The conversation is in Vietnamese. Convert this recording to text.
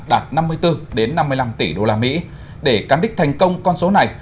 đạt năm mươi bốn năm mươi năm tỷ usd để cán đích thành công con số này